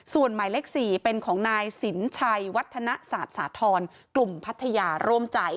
ส่วนหมายเลข๔เป็นของนายสินชัยวัฒนศาสตร์สาธรณ์กลุ่มพัทยาร่วมใจ